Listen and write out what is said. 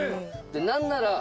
何なら。